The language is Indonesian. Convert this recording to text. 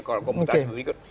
kalau komputasi berikut